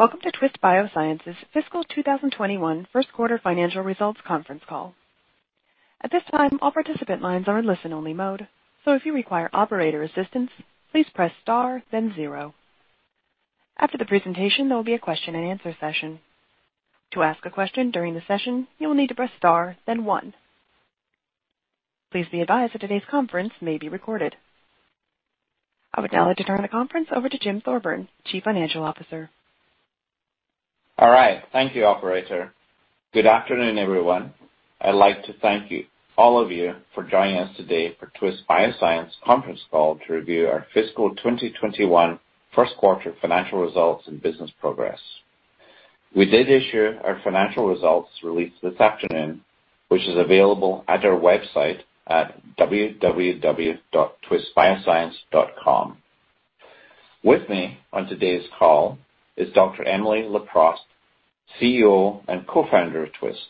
Welcome to Twist Bioscience's fiscal 2021 first quarter financial results conference call. At this time, all participant lines are in listen-only mode, so if you require operator assistance, please press star then zero. After the presentation, there will be a question-and-answer session. To ask a question during the session, you will need to press star then one. Please be advised that today's conference may be recorded. I would now like to turn the conference over to Jim Thorburn, Chief Financial Officer. All right. Thank you, operator. Good afternoon, everyone. I'd like to thank all of you for joining us today for Twist Bioscience conference call to review our fiscal 2021 first quarter financial results and business progress. We did issue our financial results released this afternoon, which is available at our website at www.twistbioscience.com. With me on today's call is Dr. Emily Leproust, CEO and Co-founder of Twist.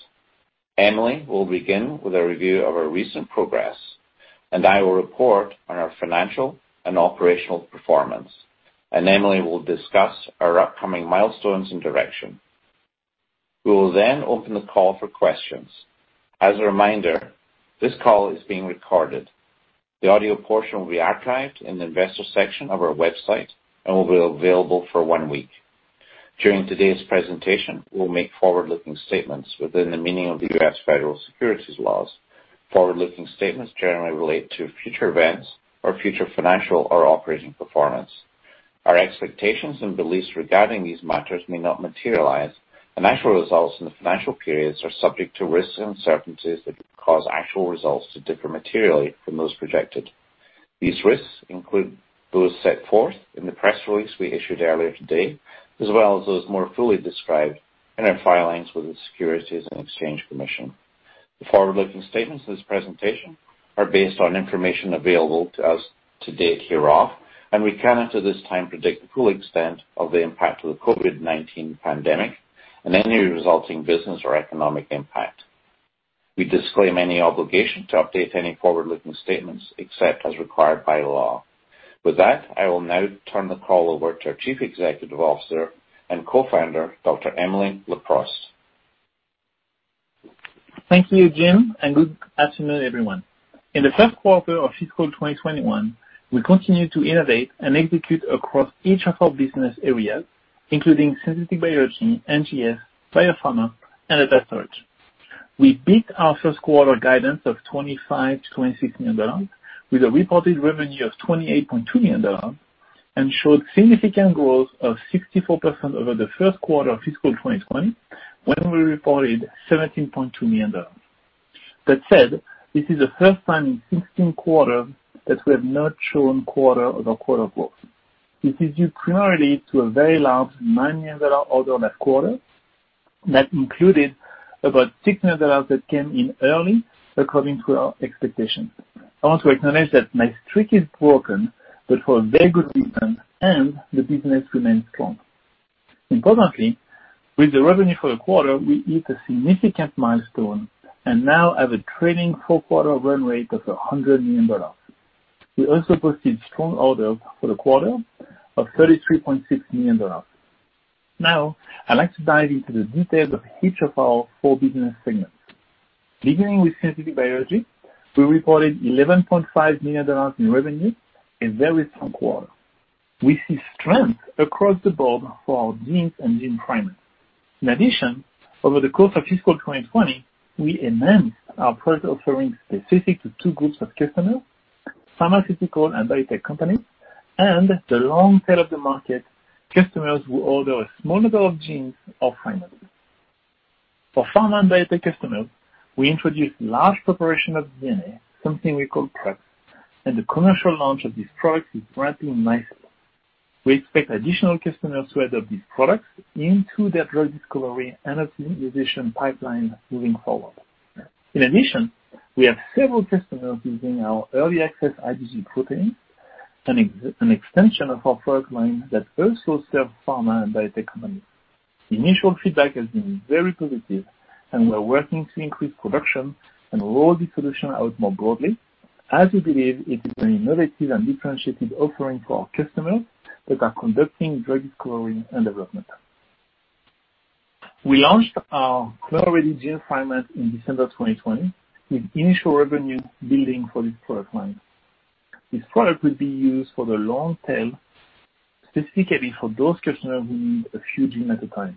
Emily will begin with a review of our recent progress. I will report on our financial and operational performance. Emily will discuss our upcoming milestones and direction. We will open the call for questions. As a reminder, this call is being recorded. The audio portion will be archived in the investor section of our website and will be available for one week. During today's presentation, we'll make forward-looking statements within the meaning of the U.S. Federal Securities laws. Forward-looking statements generally relate to future events or future financial or operating performance. Our expectations and beliefs regarding these matters may not materialize, and actual results in the financial periods are subject to risks and uncertainties that could cause actual results to differ materially from those projected. These risks include those set forth in the press release we issued earlier today, as well as those more fully described in our filings with the Securities and Exchange Commission. The forward-looking statements in this presentation are based on information available to us to date hereof, and we cannot at this time predict the full extent of the impact of the COVID-19 pandemic and any resulting business or economic impact. We disclaim any obligation to update any forward-looking statements except as required by law. With that, I will now turn the call over to our Chief Executive Officer and Co-founder, Dr. Emily Leproust. Thank you, Jim. Good afternoon, everyone. In the first quarter of fiscal 2021, we continued to innovate and execute across each of our business areas, including Synthetic Biology, NGS, Biopharma, and Data Storage. We beat our first quarter guidance of $25 million-$26 million with a reported revenue of $28.2 million and showed significant growth of 64% over the first quarter of fiscal 2020 when we reported $17.2 million. That said, this is the first time in 16 quarters that we have not shown quarter-over-quarter growth. This is due primarily to a very large $9 million order last quarter that included about $6 million that came in early according to our expectations. I want to acknowledge that my streak is broken, but for a very good reason, and the business remains strong. Importantly, with the revenue for the quarter, we hit a significant milestone and now have a trailing four-quarter run rate of $100 million. We also posted strong orders for the quarter of $33.6 million. Now, I'd like to dive into the details of each of our four business segments. Beginning with Synthetic Biology, we reported $11.5 million in revenue, a very strong quarter. We see strength across the board for our genes and gene fragments. In addition, over the course of fiscal 2020, we enhanced our product offering specific to two groups of customers, pharmaceutical and biotech companies, and the long tail of the market, customers who order a small number of genes or fragments. For pharma and biotech customers, we introduced large preparation of DNA, something we call prep, and the commercial launch of this product is ramping nicely. We expect additional customers to adopt these products into their drug discovery and optimization pipeline moving forward. In addition, we have several customers using our early access IgG protein, an extension of our product line that also serves pharma and biotech companies. Initial feedback has been very positive, and we are working to increase production and roll the solution out more broadly as we believe it is an innovative and differentiated offering for our customers that are conducting drug discovery and development. We launched our Clonal-Ready Gene Fragment in December 2020 with initial revenue building for this product line. This product will be used for the long tail, specifically for those customers who need a few genes at a time.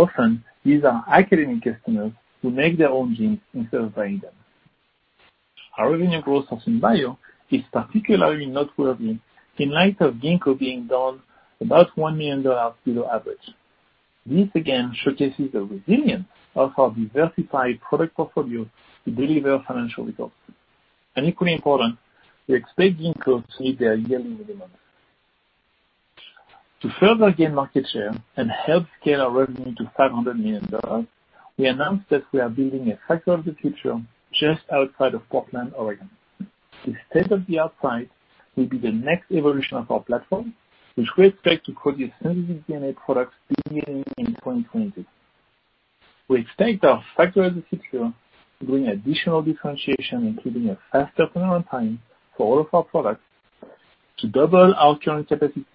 Often, these are academic customers who make their own genes instead of buying them. Our revenue growth from SynBio is particularly noteworthy in light of Ginkgo being down about $1 million below average. This, again, showcases the resilience of our diversified product portfolio to deliver financial results. Equally important, we expect Ginkgo to meet their yearly minimum. To further gain market share and help scale our revenue to $500 million, we announced that we are building a Factory of the Future just outside of Portland, Oregon. This state-of-the-art site will be the next evolution of our platform, which we expect to produce synthetic DNA products beginning in 2022. We expect our Factory of the Future to bring additional differentiation, including a faster turnaround time for all of our products, to double our current capacity,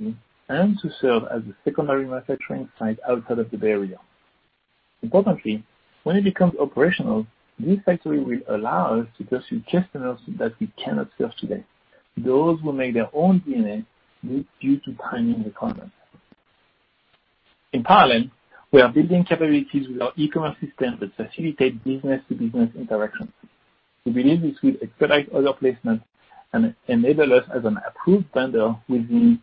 and to serve as a secondary manufacturing site outside of the Bay Area. Importantly, when it becomes operational, this factory will allow us to pursue customers that we cannot serve today, those who make their own DNA due to timing requirements. In parallel, we are building capabilities with our e-commerce system that facilitate business-to-business interactions. We believe this will expedite order placement and enable us as an approved vendor within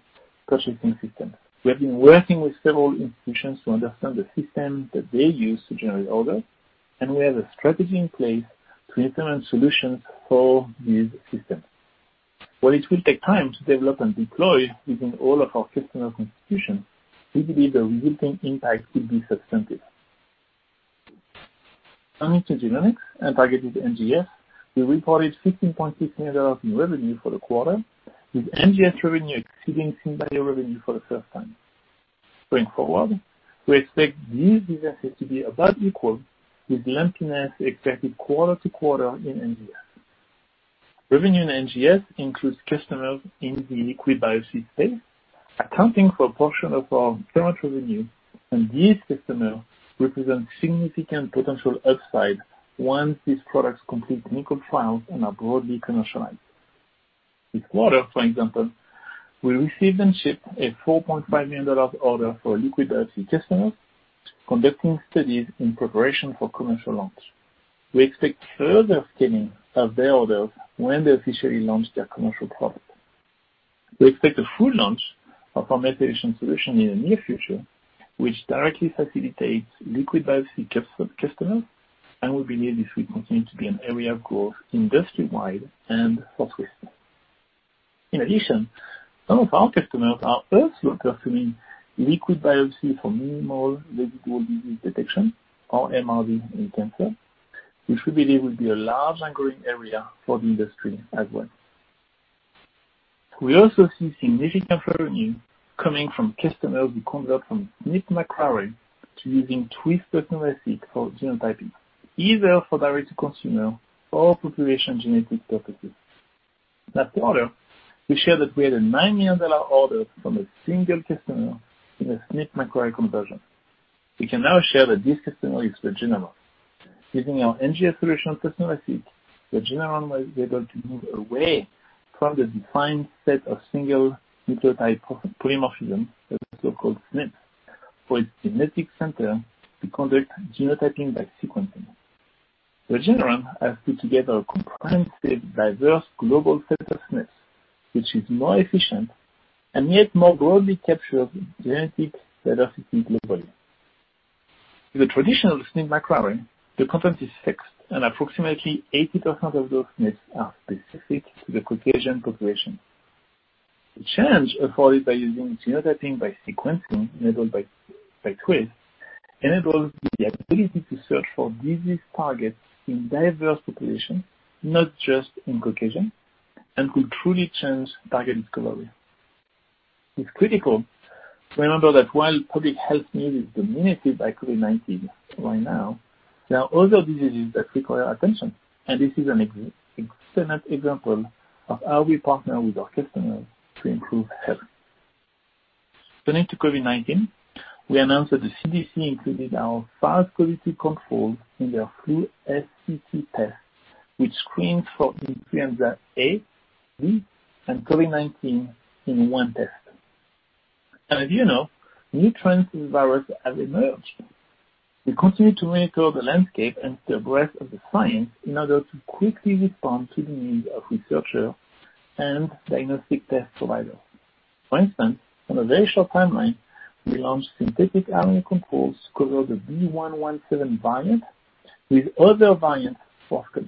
purchasing systems. We have been working with several institutions to understand the systems that they use to generate orders, and we have a strategy in place to implement solutions for these systems. While it will take time to develop and deploy within all of our customer institutions, we believe the resulting impact will be substantive. Turning to genomics and targeted NGS, we reported $15.6 million in revenue for the quarter, with NGS revenue exceeding SynBio revenue for the first time. Going forward, we expect these businesses to be about equal, with lumpiness expected quarter to quarter in NGS. Revenue in NGS includes customers in the liquid biopsy space, accounting for a portion of our current revenue, and these customers represent significant potential upside once these products complete clinical trials and are broadly commercialized. This quarter, for example, we received and shipped a $4.5 million order for a liquid biopsy customer conducting studies in preparation for commercial launch. We expect further scaling of their orders when they officially launch their commercial product. We expect a full launch of our methylation solution in the near future, which directly facilitates liquid biopsy customers and we believe this will continue to be an area of growth industry-wide and for Twist. In addition, some of our customers are also pursuing liquid biopsy for minimal residual disease detection, or MRD, in cancer, which we believe will be a large and growing area for the industry as well. We also see significant revenue coming from customers who convert from SNP microarray to using Twist PersonalSeq for genotyping, either for direct-to-consumer or population genetic purposes. Last quarter, we shared that we had a $9 million order from a single customer in a SNP microarray conversion. We can now share that this customer is Regeneron. Using our NGS solution PersonalSeq, Regeneron was able to move away from the defined set of single nucleotide polymorphisms, the so-called SNPs, for its genetics center to conduct genotyping by sequencing. Regeneron has put together a comprehensive, diverse global set of SNPs, which is more efficient and yet more broadly captures genetic diversity globally. With a traditional SNP microarray, the content is fixed. Approximately 80% of those SNPs are specific to the Caucasian population. The change afforded by using genotyping by sequencing enabled by Twist enables the ability to search for disease targets in diverse populations, not just in Caucasian. It could truly change target discovery. It's critical to remember that while public health need is dominated by COVID-19 right now, there are other diseases that require attention. This is an excellent example of how we partner with our customers to improve health. Turning to COVID-19, we announced that the CDC included our SARS-CoV-2 controls in their Flu SC2 test, which screens for influenza A, B, and COVID-19 in one test. As you know, new trends in virus have emerged. We continue to monitor the landscape and the breadth of the science in order to quickly respond to the needs of researchers and diagnostic test providers. For instance, on a very short timeline, we launched synthetic RNA controls covering the B.1.1.7 variant, with other variants to follow.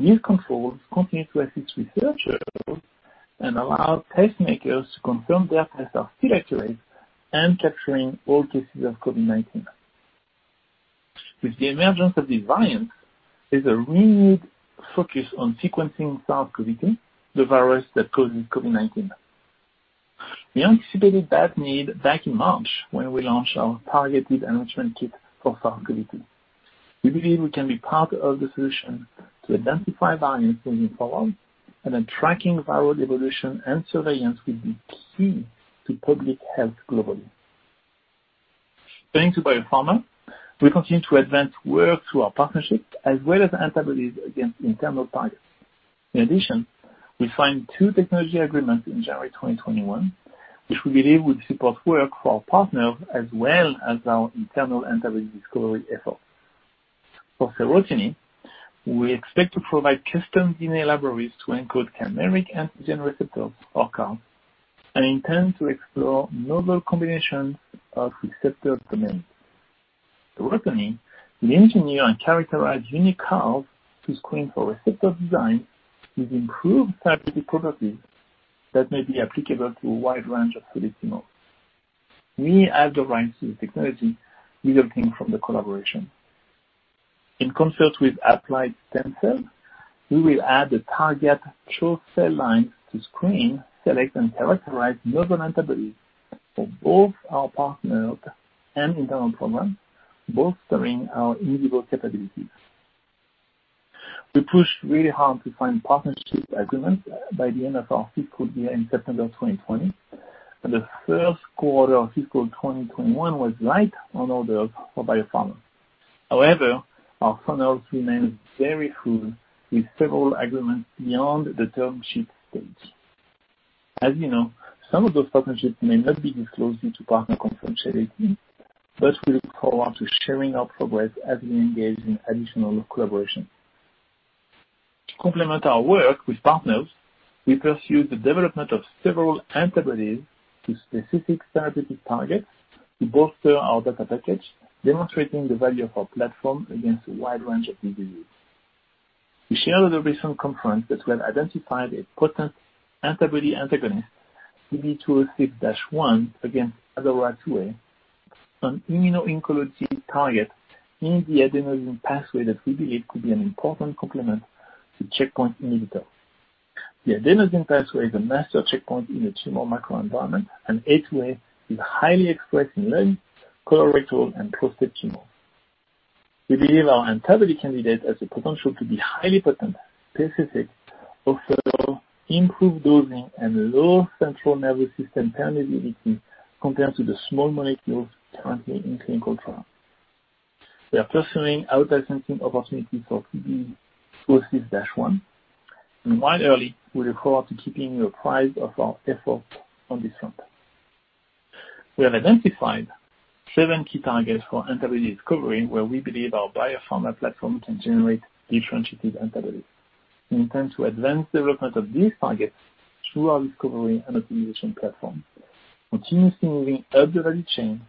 These controls continue to assist researchers and allow test makers to confirm their tests are still accurate and capturing all cases of COVID-19. With the emergence of these variants is a renewed focus on sequencing SARS-CoV-2, the virus that causes COVID-19. We anticipated that need back in March when we launched our targeted enrichment kit for SARS-CoV-2. We believe we can be part of the solution to identify variants moving forward, and that tracking viral evolution and surveillance will be key to public health globally. Turning to Biopharma, we continue to advance work through our partnerships as well as antibodies against internal targets. We signed two technology agreements in January 2021, which we believe will support work for our partners as well as our internal antibody discovery efforts. For Serotiny, we expect to provide custom DNA libraries to encode chimeric antigen receptors, or CAR, and intend to explore novel combinations of receptor domains. Serotiny will engineer and characterize unique CARs to screen for receptor design with improved therapeutic properties that may be applicable to a wide range of solid tumors. We have the right to this technology we obtained from the collaboration. In concert with Applied StemCell, we will add the target CHO cell lines to screen, select, and characterize novel antibodies for both our partners and internal programs, bolstering our in vivo capabilities. We pushed really hard to find partnership agreements by the end of our fiscal year in September 2020. The first quarter of fiscal 2021 was light on orders for Biopharma. However, our funnels remain very full, with several agreements beyond the term sheet stage. As you know, some of those partnerships may not be disclosed due to partner confidentiality. We look forward to sharing our progress as we engage in additional collaborations. To complement our work with partners, we pursue the development of several antibodies to specific therapeutic targets to bolster our data package, demonstrating the value of our platform against a wide range of diseases. We shared at a recent conference that we have identified a potent antibody antagonist, TB206-001, against ADORA2A, an immuno-oncology target in the adenosine pathway that we believe could be an important complement to checkpoint inhibitors. The adenosine pathway is a master checkpoint in the tumor microenvironment, and A2A is highly expressed in lung, colorectal, and prostate tumors. We believe our antibody candidate has the potential to be highly potent, specific, offer improved dosing, and lower central nervous system permeability compared to the small molecules currently in clinical trials. We are pursuing out-licensing opportunities for TB206-001, and while early, we look forward to keeping you apprised of our efforts on this front. We have identified seven key targets for antibody discovery where we believe our Biopharma platform can generate differentiated antibodies. We intend to advance development of these targets through our discovery and optimization platform, continuously moving up the value chain,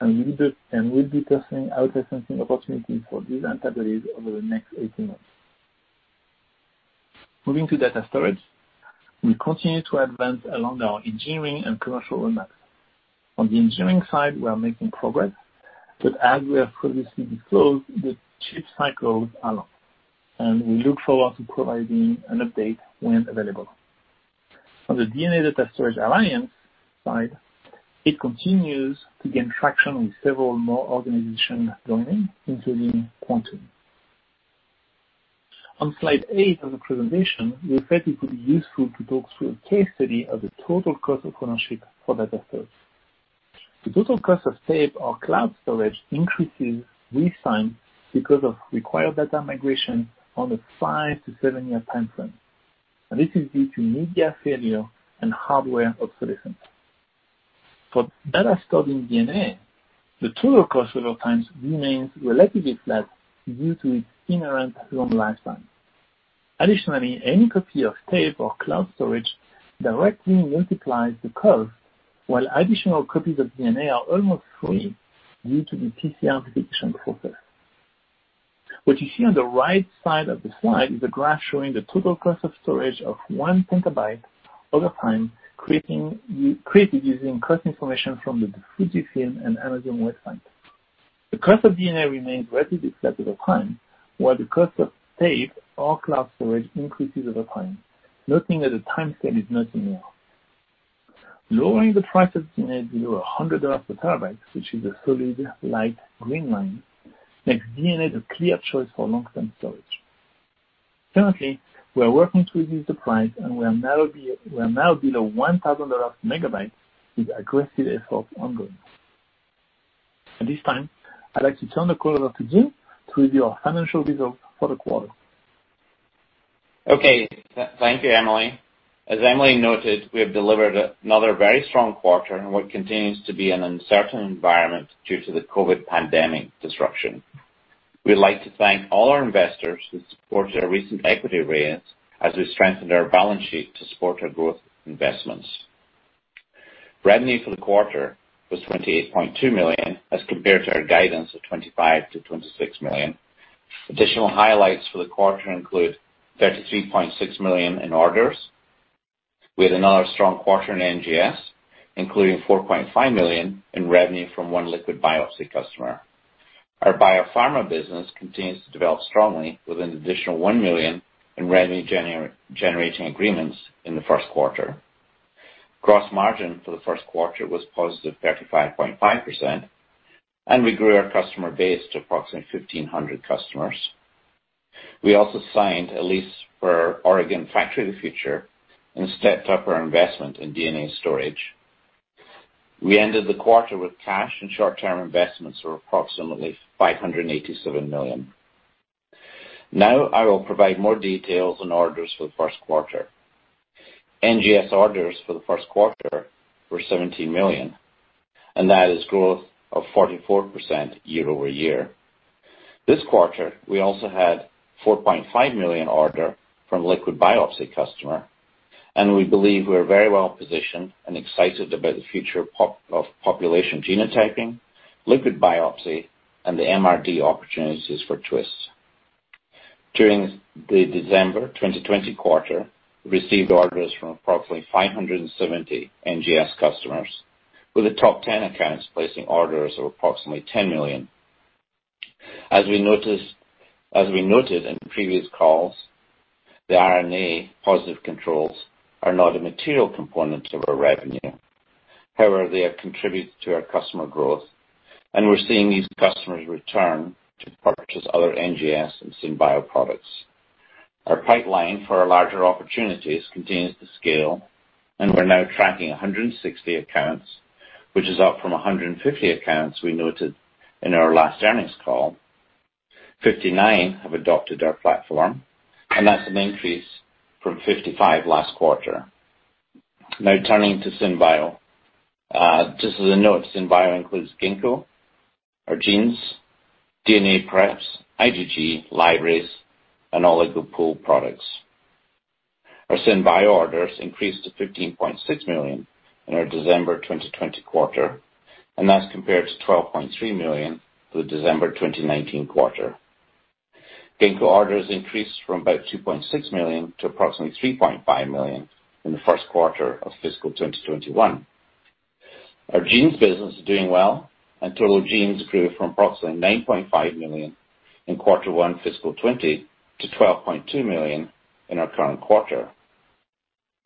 and we'll be pursuing out-licensing opportunities for these antibodies over the next 18 months. Moving to Data Storage, we continue to advance along our engineering and commercial roadmaps. On the engineering side, we are making progress, but as we have previously disclosed, the chip cycles are long, and we look forward to providing an update when available. On the DNA Data Storage Alliance side, it continues to gain traction, with several more organizations joining, including Quantum. On slide eight of the presentation, we felt it would be useful to talk through a case study of the total cost of ownership for data storage. The total cost of tape or cloud storage increases with time because of required data migration on a five to seven-year timeframe, and this is due to media failure and hardware obsolescence. For data stored in DNA, the total cost over time remains relatively flat due to its inherent long lifespan. Additionally, any copy of tape or cloud storage directly multiplies the cost, while additional copies of DNA are almost free due to the PCR duplication process. What you see on the right side of the slide is a graph showing the total cost of storage of 1 PB over time, created using cost information from the Fujifilm and Amazon websites. The cost of DNA remains relatively flat over time, while the cost of tape or cloud storage increases over time, noting that the time scale is not linear. Lowering the price of DNA below $100 per terabyte, which is the solid light green line, makes DNA the clear choice for long-term storage. Currently, we are working to reduce the price, and we are now below $1,000 per megabyte, with aggressive efforts ongoing. At this time, I'd like to turn the call over to Jim to review our financial results for the quarter. Okay. Thank you, Emily. As Emily noted, we have delivered another very strong quarter in what continues to be an uncertain environment due to the COVID pandemic disruption. We'd like to thank all our investors who supported our recent equity raise as we strengthened our balance sheet to support our growth investments. Revenue for the quarter was $28.2 million, as compared to our guidance of $25 million-$26 million. Additional highlights for the quarter include $33.6 million in orders, with another strong quarter in NGS, including $4.5 million in revenue from one liquid biopsy customer. Our Biopharma business continues to develop strongly, with an additional $1 million in revenue-generating agreements in the first quarter. Gross margin for the first quarter was +35.5%, and we grew our customer base to approximately 1,500 customers. We also signed a lease for our Oregon Factory of the Future and stepped up our investment in DNA storage. We ended the quarter with cash and short-term investments of approximately $587 million. I will provide more details on orders for the first quarter. NGS orders for the first quarter were $17 million, that is growth of 44% year-over-year. This quarter, we also had a $4.5 million order from a liquid biopsy customer, we believe we are very well positioned and excited about the future of population genotyping, liquid biopsy, and the MRD opportunities for Twist. During the December 2020 quarter, we received orders from approximately 570 NGS customers, with the top 10 accounts placing orders of approximately $10 million. As we noted in previous calls, the RNA positive controls are not a material component of our revenue. They contribute to our customer growth, and we're seeing these customers return to purchase other NGS and SynBio products. Our pipeline for our larger opportunities continues to scale, and we're now tracking 160 accounts, which is up from 150 accounts we noted in our last earnings call. 59 have adopted our platform, and that's an increase from 55 last quarter. Turning to SynBio. Just as a note, SynBio includes Ginkgo, our genes, DNA preps, IgG libraries, and Oligo Pools products. Our SynBio orders increased to $15.6 million in our December 2020 quarter, and that's compared to $12.3 million for the December 2019 quarter. Ginkgo orders increased from about $2.6 million to approximately $3.5 million in the first quarter of fiscal 2021. Our genes business is doing well, and total genes grew from approximately $9.5 million in quarter one fiscal 2020 to $12.2 million in our current quarter.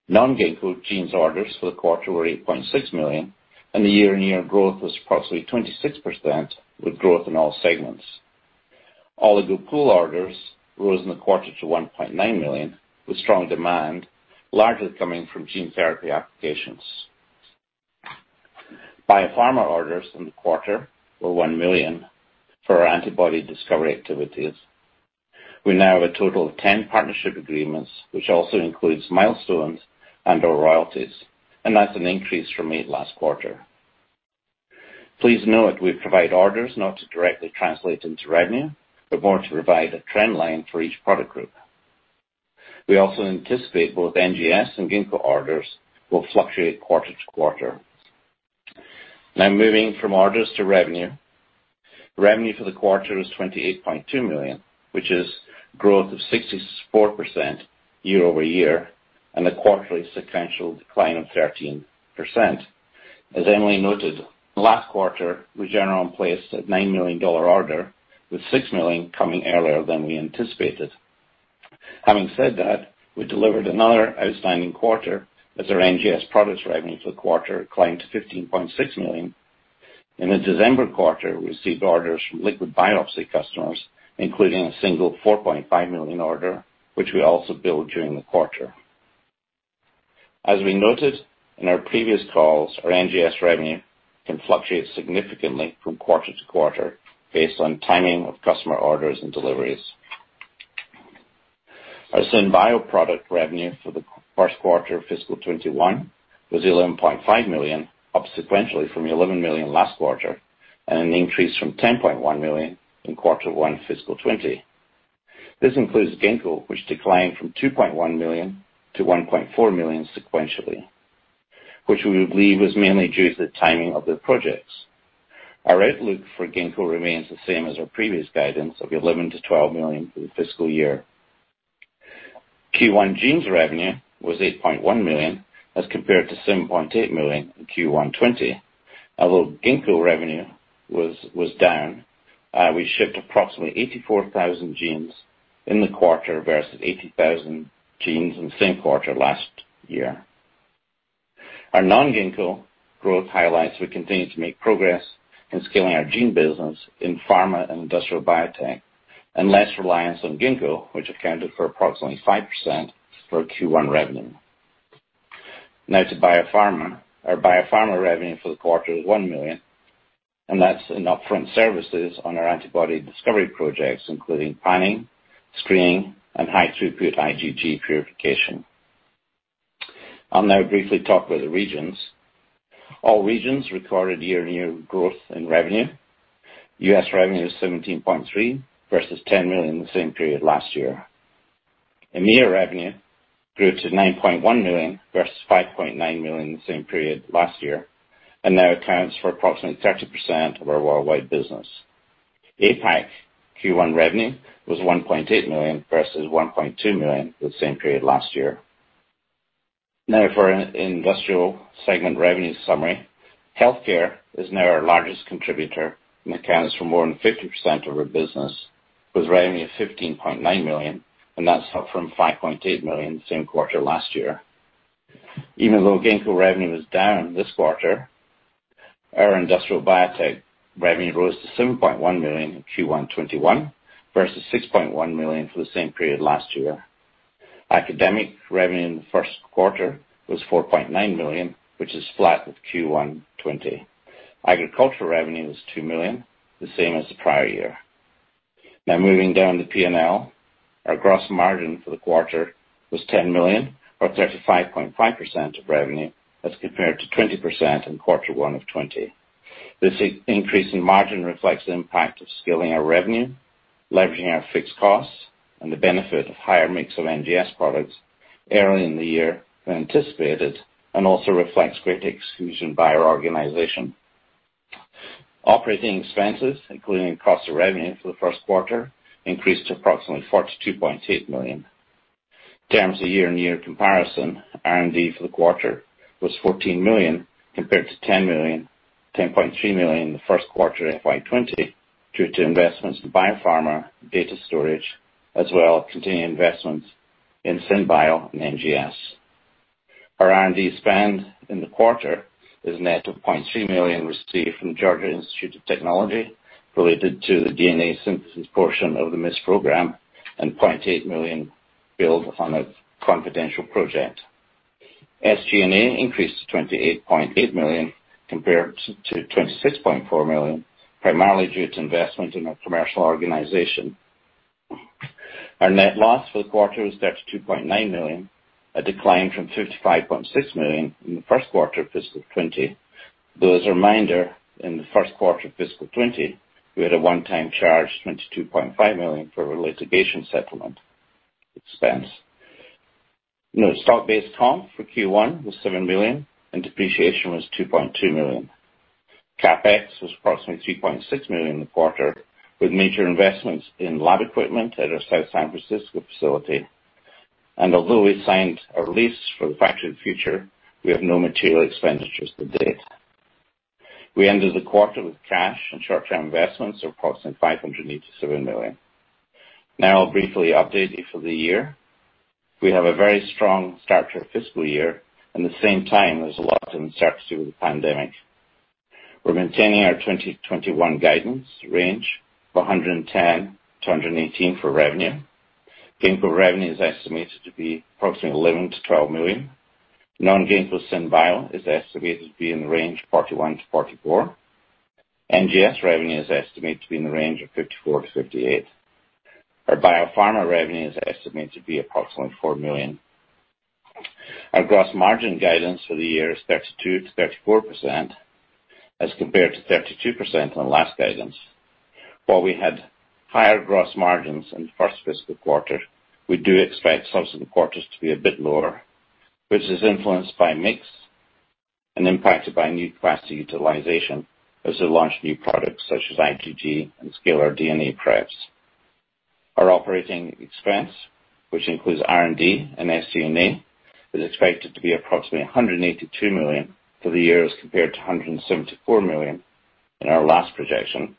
Non-Ginkgo genes orders for the quarter were $8.6 million. The year-on-year growth was approximately 26%, with growth in all segments. Oligo Pools orders rose in the quarter to $1.9 million with strong demand, largely coming from gene therapy applications. Biopharma orders in the quarter were $1 million for our antibody discovery activities. We now have a total of 10 partnership agreements, which also includes milestones and/or royalties. That's an increase from eight last quarter. Please note we provide orders not to directly translate into revenue, but more to provide a trend line for each product group. We also anticipate both NGS and Ginkgo orders will fluctuate quarter-to-quarter. Now moving from orders to revenue. Revenue for the quarter was $28.2 million, which is growth of 64% year-over-year. A quarterly sequential decline of 13%. As Emily noted, last quarter, Regeneron placed a $9 million order, with $6 million coming earlier than we anticipated. Having said that, we delivered another outstanding quarter as our NGS products revenue for the quarter climbed to $15.6 million. In the December quarter, we received orders from liquid biopsy customers, including a single $4.5 million order, which we also billed during the quarter. As we noted in our previous calls, our NGS revenue can fluctuate significantly from quarter to quarter based on timing of customer orders and deliveries. Our SynBio product revenue for the first quarter of fiscal 2021 was $11.5 million, up sequentially from $11 million last quarter, and an increase from $10.1 million in quarter one fiscal 2020. This includes Ginkgo, which declined from $2.1 million to $1.4 million sequentially, which we believe was mainly due to the timing of the projects. Our outlook for Ginkgo remains the same as our previous guidance of $11 million-$12 million for the fiscal year. Q1 genes revenue was $8.1 million as compared to $7.8 million in Q1 '20. Although Ginkgo revenue was down, we shipped approximately 84,000 genes in the quarter versus 80,000 genes in the same quarter last year. Our non-Ginkgo growth highlights we continue to make progress in scaling our gene business in pharma and industrial biotech and less reliance on Ginkgo, which accounted for approximately 5% for our Q1 revenue. To Biopharma. Our Biopharma revenue for the quarter was $1 million, that's in upfront services on our antibody discovery projects, including panning, screening, and high-throughput IgG purification. I'll now briefly talk about the regions. All regions recorded year-on-year growth in revenue. U.S. revenue is $17.3 million versus $10 million in the same period last year. EMEA revenue grew to $9.1 million versus $5.9 million in the same period last year and now accounts for approximately 30% of our worldwide business. APAC Q1 revenue was $1.8 million versus $1.2 million for the same period last year. Now for an industrial segment revenue summary. Healthcare is now our largest contributor and accounts for more than 50% of our business, with revenue of $15.9 million, and that's up from $5.8 million same quarter last year. Even though Ginkgo revenue was down this quarter, our industrial biotech revenue rose to $7.1 million in Q1 2021 versus $6.1 million for the same period last year. Academic revenue in the first quarter was $4.9 million, which is flat with Q1 2020. Agricultural revenue was $2 million, the same as the prior year. Now moving down to P&L. Our gross margin for the quarter was $10 million, or 35.5% of revenue as compared to 20% in quarter one of 2020. This increase in margin reflects the impact of scaling our revenue, leveraging our fixed costs, and the benefit of higher mix of NGS products early in the year than anticipated. Also reflects great execution by our organization. Operating expenses, including cost of revenue for the first quarter, increased to approximately $42.8 million. In terms of year-on-year comparison, R&D for the quarter was $14 million compared to $10.3 million in the first quarter of FY 2020, due to investments in Biopharma, Data Storage, as well as continuing investments in SynBio and NGS. Our R&D spend in the quarter is net of $0.3 million received from Georgia Institute of Technology related to the DNA synthesis portion of the MIST program and $0.8 million billed on a confidential project. SG&A increased to $28.8 million compared to $26.4 million, primarily due to investment in our commercial organization. Our net loss for the quarter was $32.9 million, a decline from $55.6 million in the first quarter of fiscal 2020. As a reminder, in the first quarter of fiscal 2020, we had a one-time charge of $22.5 million for our litigation settlement expense. Stock-based comp for Q1 was $7 million and depreciation was $2.2 million. CapEx was approximately $3.6 million in the quarter, with major investments in lab equipment at our South San Francisco facility. Although we signed a lease for the Factory of the Future, we have no material expenditures to date. We ended the quarter with cash and short-term investments of approximately $587 million. I'll briefly update you for the year. We have a very strong start to our fiscal year. At the same time, there's a lot of uncertainty with the pandemic. We're maintaining our 2021 guidance range of $110 million-$118 million for revenue. Ginkgo revenue is estimated to be approximately $11 million-$12 million. Non-Ginkgo SynBio is estimated to be in the range of $41 million-$44 million. NGS revenue is estimated to be in the range of $54 million-$58 million. Our biopharma revenue is estimated to be approximately $4 million. Our gross margin guidance for the year is 32%-34% as compared to 32% on the last guidance. While we had higher gross margins in the first fiscal quarter, we do expect subsequent quarters to be a bit lower, which is influenced by mix and impacted by new capacity utilization as we launch new products such as IgG and scalable DNA preps. Our operating expense, which includes R&D and SG&A, is expected to be approximately $182 million for the year as compared to $174 million in our last projection,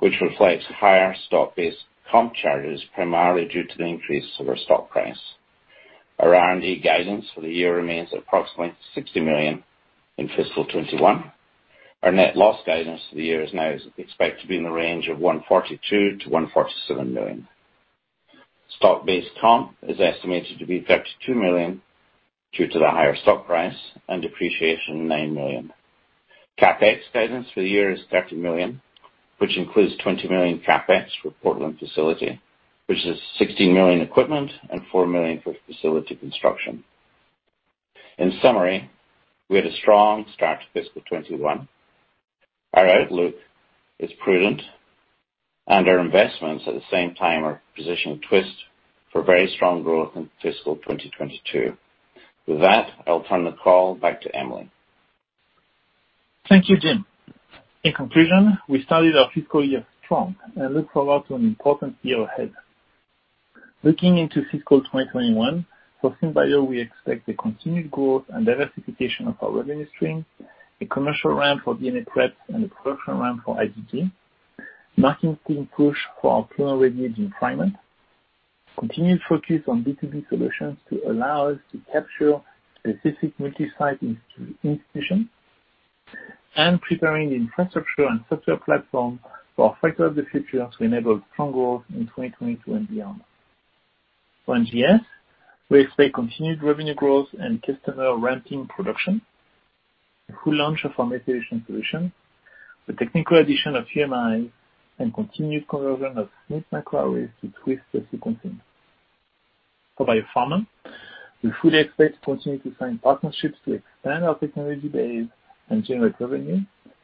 which reflects higher stock-based comp charges, primarily due to the increase of our stock price. Our R&D guidance for the year remains at approximately $60 million in fiscal 2021. Our net loss guidance for the year is now expected to be in the range of $142 million-$147 million. Stock-based comp is estimated to be $32 million due to the higher stock price and depreciation, $9 million. CapEx guidance for the year is $30 million, which includes $20 million CapEx for Portland facility, which is $16 million equipment and $4 million for facility construction. In summary, we had a strong start to fiscal 2021. Our outlook is prudent, and our investments at the same time are positioning Twist for very strong growth in fiscal 2022. With that, I'll turn the call back to Emily. Thank you, Jim. In conclusion, we started our fiscal year strong and look forward to an important year ahead. Looking into fiscal 2021, for SynBio, we expect the continued growth and diversification of our revenue stream, a commercial ramp for DNA prep and a production ramp for IgG, marketing push for our Clonal-Ready Gene Fragment, continued focus on B2B solutions to allow us to capture specific multi-site institutions, and preparing the infrastructure and software platform for our Factory of the Future to enable strong growth in 2022 and beyond. For NGS, we expect continued revenue growth and customer ramping production, a full launch of our methylation solution, the technical addition of UMI, and continued conversion of SNP microarrays to Twist sequencing. For biopharma, we fully expect to continue to sign partnerships to expand our technology base and generate revenue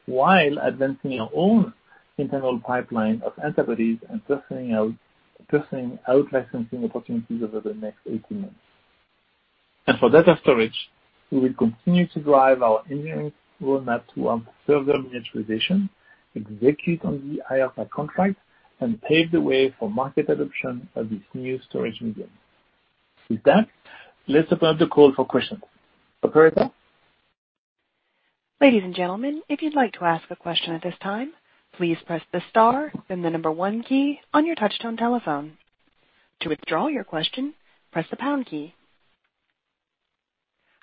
while advancing our own internal pipeline of antibodies and pursuing out-licensing opportunities over the next 18 months. For data storage, we will continue to drive our engineering roadmap towards further miniaturization, execute on the IARPA contract, and pave the way for market adoption of this new storage medium. With that, let's open up the call for questions. Operator? Ladies and gentlemen, if you'd like to ask a question at this time, please press the star then the number one key on your touch-tone telephone. To withdraw your question, press the pound key.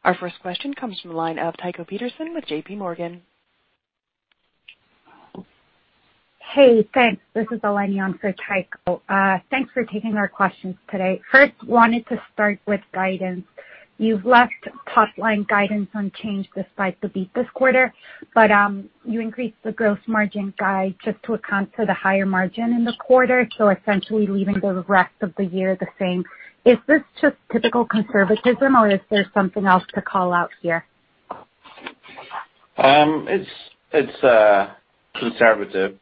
Our first question comes from the line of Tycho Peterson with JPMorgan. Hey, thanks. This is Eleni on for Tycho. Thanks for taking our questions today. First, wanted to start with guidance. You've left top-line guidance unchanged despite the beat this quarter, but you increased the gross margin guide just to account for the higher margin in the quarter, so essentially leaving the rest of the year the same. Is this just typical conservatism, or is there something else to call out here? It's conservative.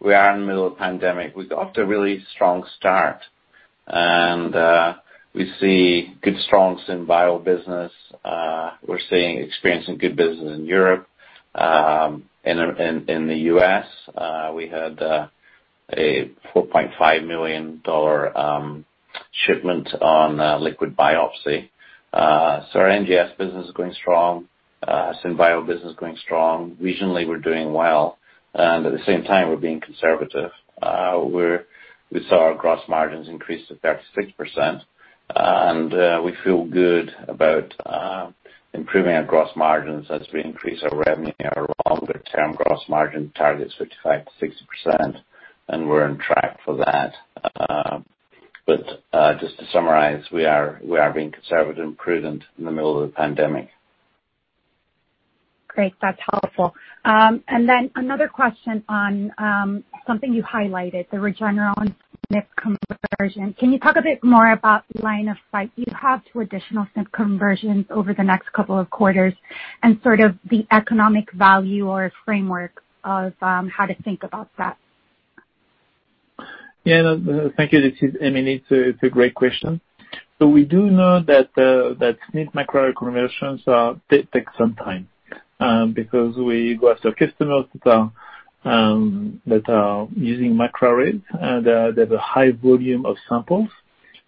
We are in the middle of the pandemic. We got off to a really strong start. We see good strengths in SynBio business. We're experiencing good business in Europe and in the U.S. We had a $4.5 million shipment on liquid biopsy. Our NGS business is going strong, SynBio business is going strong. Regionally, we're doing well, and at the same time, we're being conservative. We saw our gross margins increase to 36%, and we feel good about improving our gross margins as we increase our revenue, our longer-term gross margin targets, 55%-60%, and we're on track for that. Just to summarize, we are being conservative and prudent in the middle of the pandemic. Great. That's helpful. Then another question on something you highlighted, the Regeneron SNP conversion. Can you talk a bit more about the line of sight you have to additional SNP conversions over the next couple of quarters and sort of the economic value or framework of how to think about that? Yeah. Thank you. This is Emily. It's a great question. We do know that SNP microarray conversions take some time, because we go after customers that are using microarray, and they have a high volume of samples.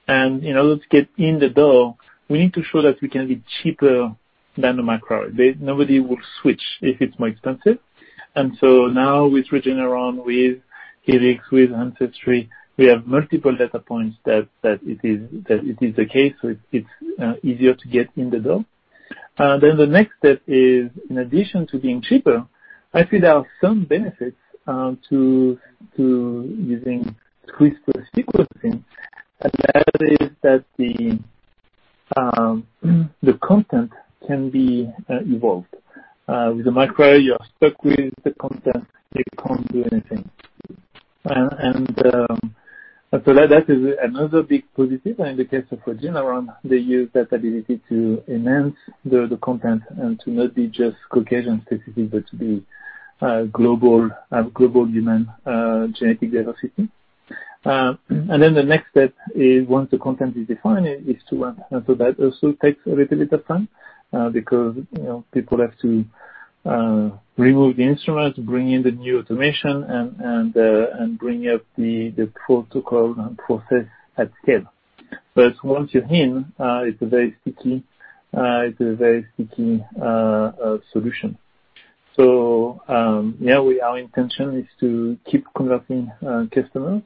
In order to get in the door, we need to show that we can be cheaper than the microarray. Nobody will switch if it's more expensive. Now with Regeneron, with Helix, with Ancestry, we have multiple data points that it is the case, so it's easier to get in the door. The next step is, in addition to being cheaper, I feel there are some benefits to using Twist for sequencing, and that is that the content can be evolved. With the microarray, you are stuck with the content. You can't do anything. That is another big positive. In the case of Regeneron, they use that ability to enhance the content and to not be just Caucasian specific, but to be global human genetic diversity. Then the next step is, once the content is defined, is to run. So that also takes a little bit of time, because people have to remove the instrument, bring in the new automation, and bring up the protocol and process at scale. Once you're in, it's a very sticky solution. Yeah, our intention is to keep converting customers.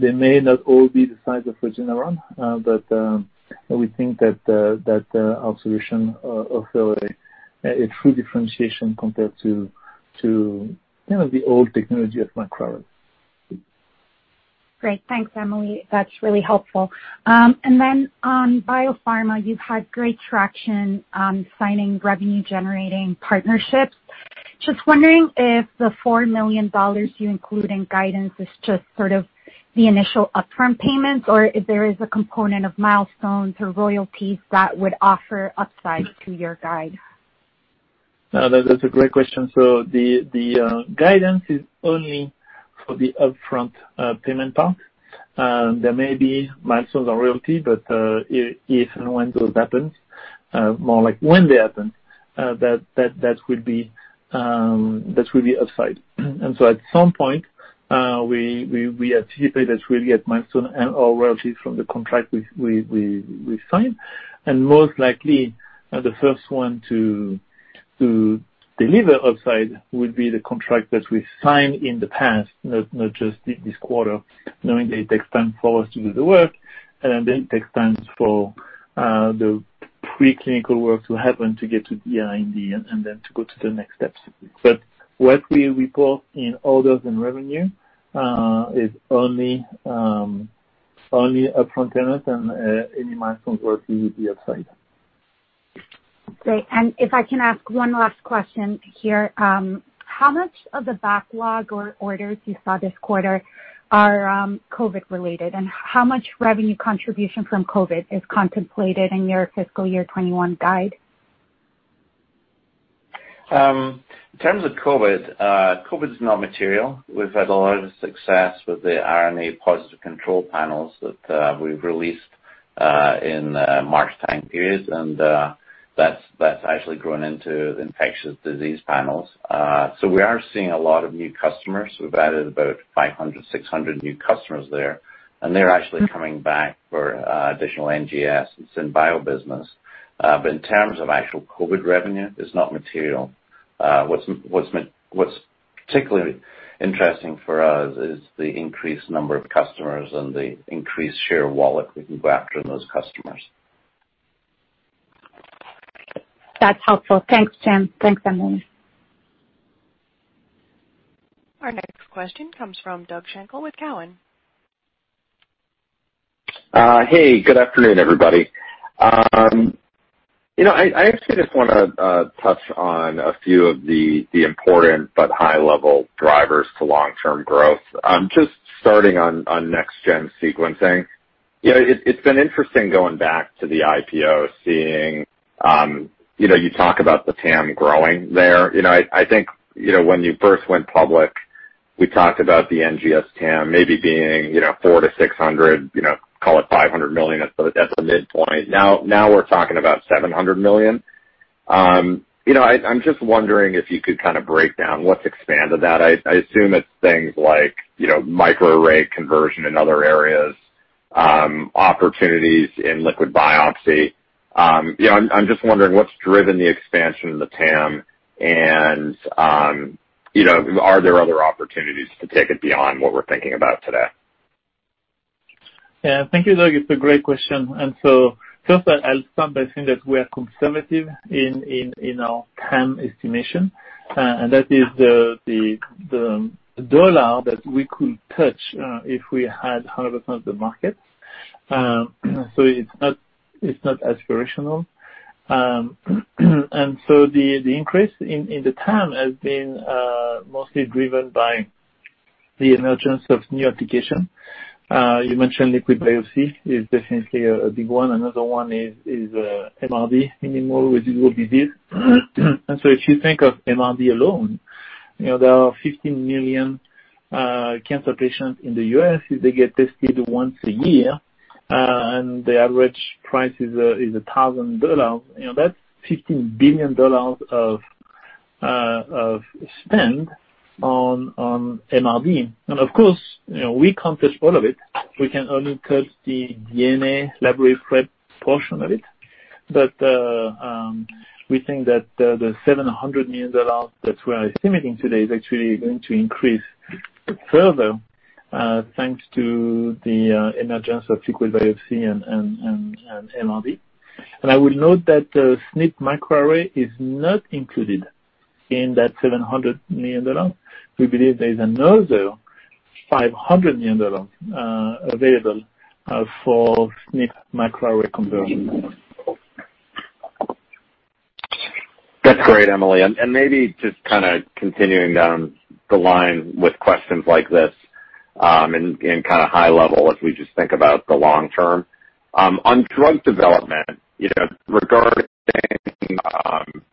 They may not all be the size of Regeneron, but we think that our solution offer a true differentiation compared to the old technology of microarray. Great. Thanks, Emily, that's really helpful. On Biopharma, you've had great traction on signing revenue-generating partnerships. Just wondering if the $4 million you include in guidance is just sort of the initial upfront payments or if there is a component of milestones or royalties that would offer upside to your guide. No, that's a great question. The guidance is only for the upfront payment part. There may be milestones or royalty, but if and when those happens, more like when they happen, that will be upside. At some point, we anticipate that we'll get milestone and/or royalties from the contract we sign, and most likely, the first one to deliver upside will be the contract that we've signed in the past, not just this quarter, knowing that it takes time for us to do the work, and then it takes time for the preclinical work to happen to get to the IND and then to go to the next steps. What we report in orders and revenue is only upfront payments, and any milestones or royalty upside. Great. If I can ask one last question here. How much of the backlog or orders you saw this quarter are COVID related, and how much revenue contribution from COVID is contemplated in your fiscal year 2021 guide? In terms of COVID, COVID's not material. We've had a lot of success with the RNA positive control panels that we've released in the March time period, that's actually grown into the infectious disease panels. We are seeing a lot of new customers. We've added about 500, 600 new customers there, they're actually coming back for additional NGS and SynBio business. In terms of actual COVID revenue, it's not material. What's particularly interesting for us is the increased number of customers and the increased share of wallet we can go after in those customers. That's helpful. Thanks, Jim. Thanks, Emily. Our next question comes from Doug Schenkel with Cowen. Hey, good afternoon, everybody. I actually just want to touch on a few of the important but high-level drivers to long-term growth. Just starting on Next-Gen Sequencing. It's been interesting going back to the IPO, seeing. You talk about the TAM growing there. I think when you first went public, we talked about the NGS TAM maybe being $400 million-$600 million, call it $500 million at the midpoint. Now we're talking about $700 million. I'm just wondering if you could break down what's expanded that. I assume it's things like microarray conversion in other areas, opportunities in liquid biopsy. I'm just wondering what's driven the expansion of the TAM and, are there other opportunities to take it beyond what we're thinking about today? Yeah, thank you, Doug. It's a great question. First, I'll start by saying that we are conservative in our TAM estimation, and that is the dollar that we could touch if we had 100% of the market. It's not aspirational. The increase in the TAM has been mostly driven by the emergence of new application. You mentioned liquid biopsy is definitely a big one. Another one is MRD, minimal residual disease. If you think of MRD alone, there are 15 million cancer patients in the U.S. If they get tested once a year, and the average price is $1,000, that's $15 billion of spend on MRD. Of course, we can't test all of it. We can only test the DNA library prep portion of it. We think that the $700 million that we are estimating today is actually going to increase further, thanks to the emergence of liquid biopsy and MRD. I will note that SNP microarray is not included in that $700 million. We believe there is another $500 million available for SNP microarray conversion. That's great, Emily. Maybe just continuing down the line with questions like this, and kind of high level as we just think about the long term. On drug development, regarding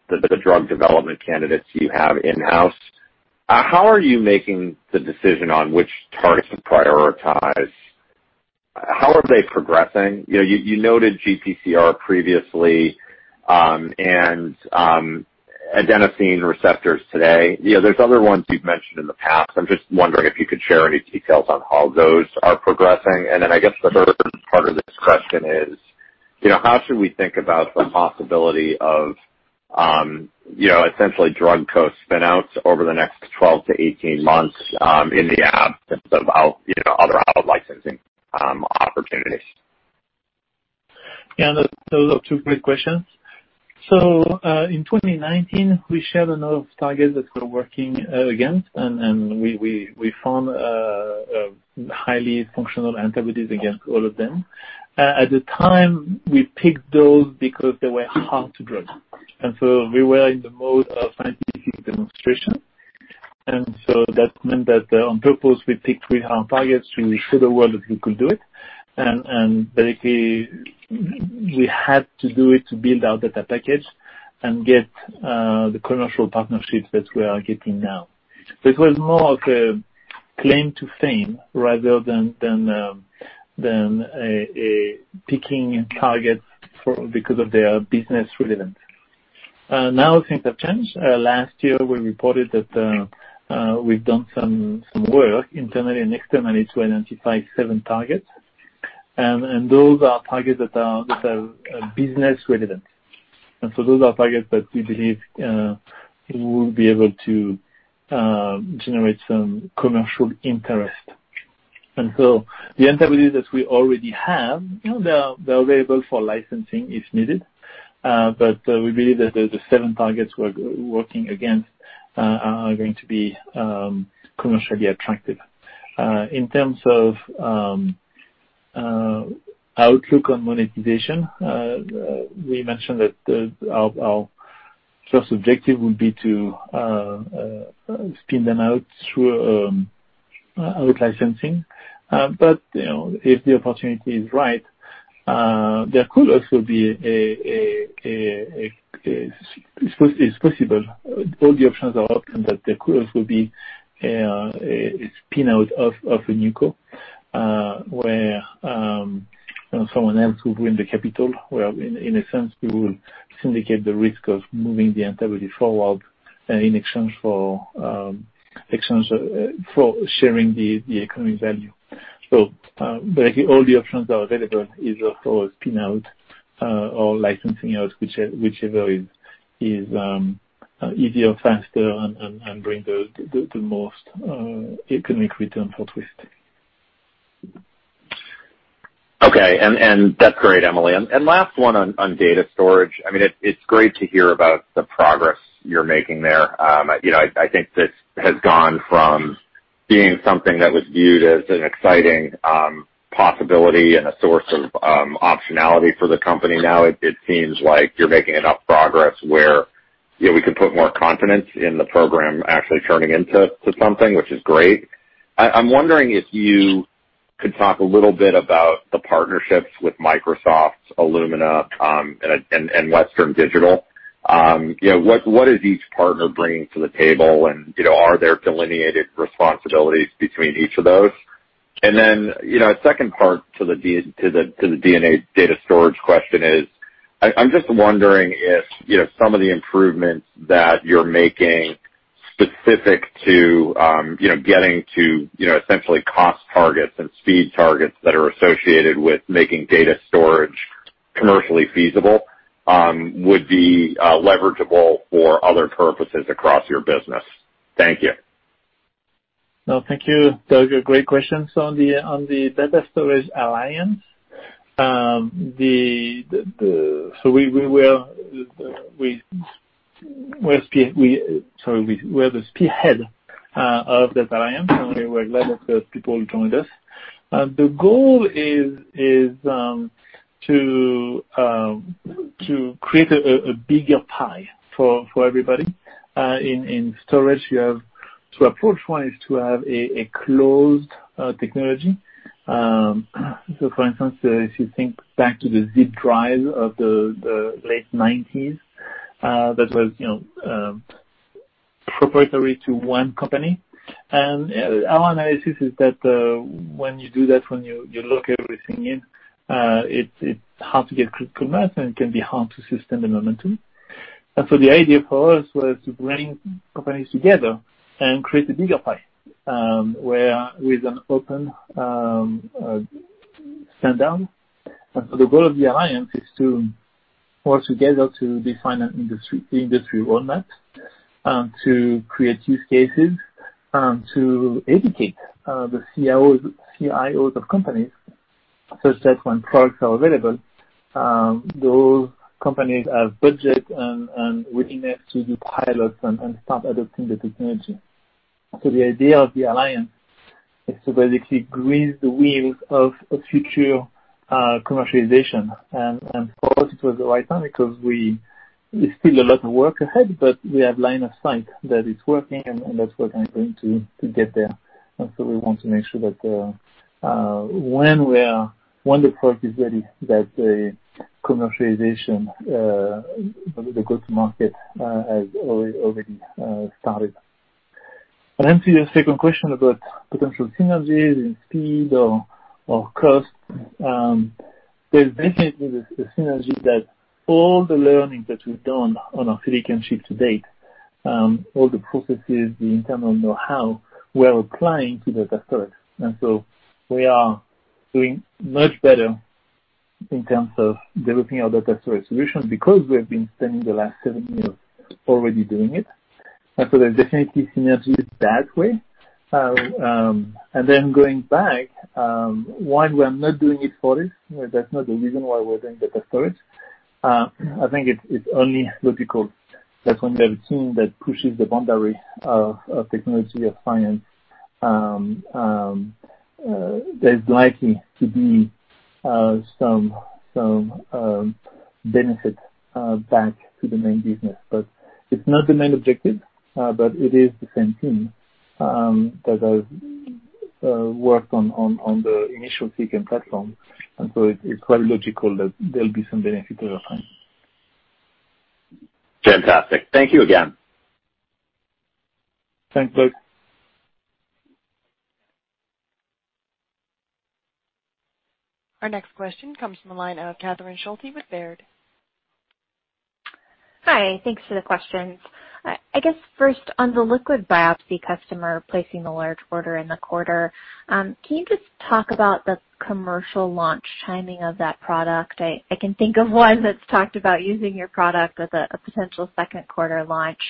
the drug development candidates you have in-house, how are you making the decision on which targets to prioritize? How are they progressing? You noted GPCR previously, and adenosine receptors today. There are other ones you've mentioned in the past. I'm just wondering if you could share any details on how those are progressing. Then I guess the third part of this question is, how should we think about the possibility of essentially drug co-spin-outs over the next 12-18 months in the absence of other out-licensing opportunities? Yeah, those are two great questions. In 2019, we shared a number of targets that we're working against, and we found a highly functional antibodies against all of them. At the time, we picked those because they were hard to drug, and so we were in the mode of scientific demonstration. That meant that on purpose, we picked really hard targets to show the world that we could do it. Basically, we had to do it to build out the package and get the commercial partnerships that we are getting now. It was more of a claim to fame rather than picking targets because of their business relevance. Now things have changed. Last year, we reported that we've done some work internally and externally to identify seven targets. Those are targets that have business relevance. Those are targets that we believe will be able to generate some commercial interest. The antibodies that we already have, they are available for licensing if needed. If the opportunity is right, it's possible. All the options are open, but there could also be a spin-out of a NewCo, where someone else could bring the capital, where in a sense we will syndicate the risk of moving the antibody forward, in exchange for sharing the economic value. Basically, all the options are available, either for a spin-out or licensing out, whichever is easier, faster, and bring the most economic return for Twist. Okay. That's great, Emily. Last one on Data Storage. It's great to hear about the progress you're making there. I think this has gone from being something that was viewed as an exciting possibility and a source of optionality for the company. Now it seems like you're making enough progress where we can put more confidence in the program actually turning into something, which is great. I'm wondering Could talk a little bit about the partnerships with Microsoft, Illumina and Western Digital. What is each partner bringing to the table, and are there delineated responsibilities between each of those? A second part to the DNA data storage question is, I'm just wondering if some of the improvements that you're making specific to getting to essentially cost targets and speed targets that are associated with making Data Storage commercially feasible would be leverageable for other purposes across your business. Thank you. No, thank you, Doug. Great questions. On the Data Storage Alliance, so we were the spearhead of that alliance, and we were glad that those people joined us. The goal is to create a bigger pie for everybody. In storage, you have to, approach-wise, to have a closed technology. For instance, if you think back to the zip drive of the late 1990s, that was proprietary to one company. Our analysis is that when you do that, when you lock everything in, it's hard to get critical mass, and it can be hard to sustain the momentum. The idea for us was to bring companies together and create a bigger pie. The goal of the Alliance is to work together to define an industry roadmap, to create use cases, and to educate the CIOs of companies such that when products are available those companies have budget and willingness to do pilots and start adopting the technology. The idea of the Alliance is to basically grease the wheels of future commercialization. For us, it was the right time because there's still a lot of work ahead, but we have line of sight that it's working, and that's what I'm going to get there. We want to make sure that when the product is ready, that the commercialization, the go-to-market, has already started. To your second question about potential synergies in speed or cost, there's basically the synergy that all the learning that we've done on our silicon chip to date, all the processes, the internal know-how, we're applying to Data Storage. We are doing much better in terms of developing our Data Storage solutions because we have been spending the last seven years already doing it. There's definitely synergies that way. Going back, while we are not doing it for it, that's not the reason why we're doing Data Storage. I think it's only logical that when you have a team that pushes the boundary of technology, of science, there's likely to be some benefit back to the main business. It's not the main objective. It is the same team that has worked on the initial silicon platform. It's quite logical that there'll be some benefit over time. Fantastic. Thank you again. Thanks, Doug. Our next question comes from the line of Catherine Schulte with Baird. Hi. Thanks for the questions. I guess first, on the liquid biopsy customer placing the large order in the quarter, can you just talk about the commercial launch timing of that product? I can think of one that's talked about using your product with a potential second quarter launch.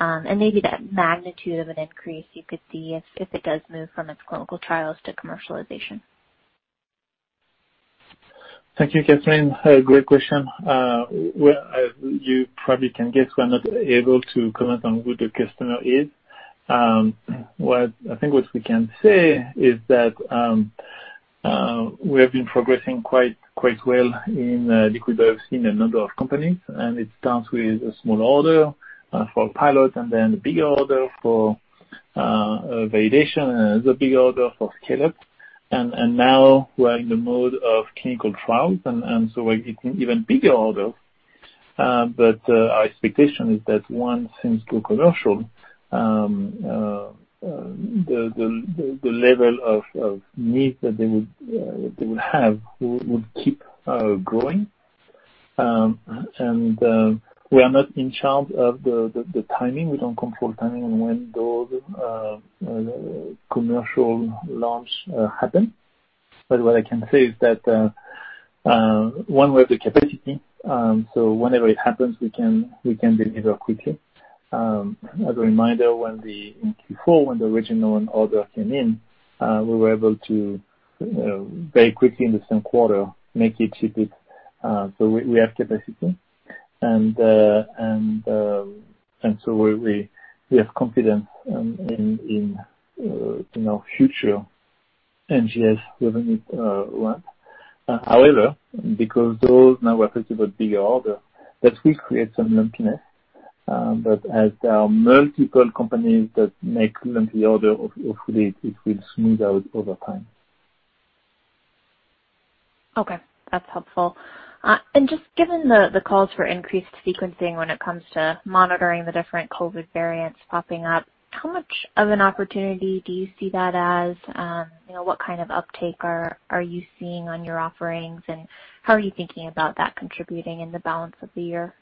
Maybe that magnitude of an increase you could see if it does move from its clinical trials to commercialization. Thank you, Catherine. Great question. Well, you probably can guess we're not able to comment on who the customer is. I think what we can say is that we have been progressing quite well in liquid biopsy in a number of companies, and it starts with a small order for a pilot, and then a bigger order for validation, and the big order for scale-up. Now we're in the mode of clinical trials, even bigger orders. Our expectation is that once things go commercial the level of need that they would have would keep growing. We are not in charge of the timing. We don't control timing on when those commercial launch happen. What I can say is that, one, we have the capacity. Whenever it happens, we can deliver quickly. As a reminder, in Q4, when the original order came in we were able to very quickly, in the same quarter, make it ship it. We have capacity. We have confidence in our future NGS revenue ramp. However, because those now represent a bigger order, that will create some lumpiness. As there are multiple companies that make lumpy orders, hopefully it will smooth out over time. Okay, that's helpful. Just given the calls for increased sequencing when it comes to monitoring the different COVID variants popping up, how much of an opportunity do you see that as? What kind of uptake are you seeing on your offerings, and how are you thinking about that contributing in the balance of the year?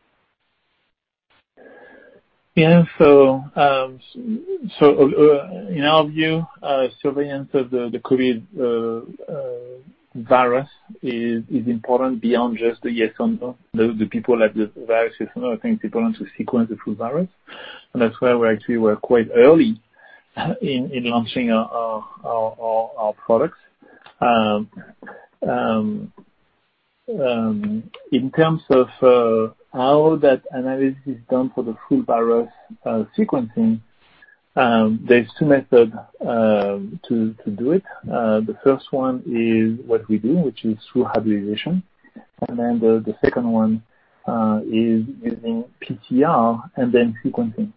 Yeah. In our view, surveillance of the COVID virus is important beyond just the yes or no. The people at the [virus surveillance] think people want to sequence the full virus. That's why we actually were quite early in launching our products. In terms of how that analysis is done for the full virus sequencing, there's two methods to do it. The first one is what we do, which is through hybridization. The second one is using PCR and then sequencing.